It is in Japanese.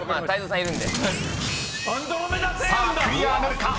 ［さあクリアなるか？